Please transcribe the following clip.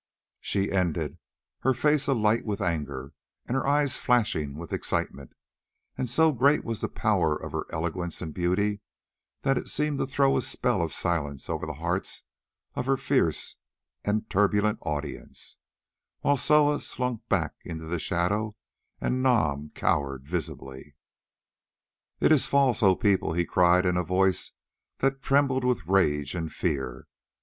She ended, her face alight with anger and her eyes flashing with excitement, and so great was the power of her eloquence and beauty that it seemed to throw a spell of silence over the hearts of her fierce and turbulent audience, while Soa slunk back into the shadow and Nam cowered visibly. "It is false, O people," he cried in a voice that trembled with rage and fear.